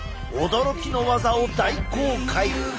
驚きのワザを大公開！